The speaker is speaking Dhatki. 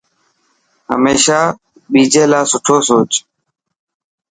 هميشا ٻجي لاءِ سٺو سوچ.